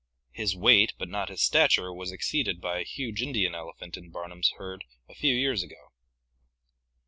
His weight but not his stature was exceeded by a huge Indian elephant in Barnum's herd a few years ago.